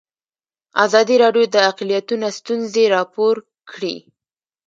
ازادي راډیو د اقلیتونه ستونزې راپور کړي.